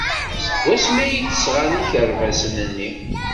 Seg wansi ay d-sɣan ikerbasen-nni?